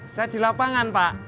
saya di lapangan pak